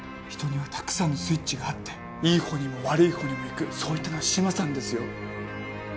人にはたくさんのスイッチがあっていい方にも悪い方にもいくそう言ったのは志摩さんですよ